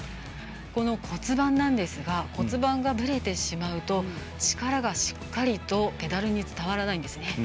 この骨盤なんですが骨盤がぶれてしまうと力がしっかりとペダルに伝わらないんですね。